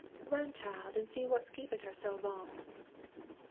"Run, child, an' see what's keepin' her so long."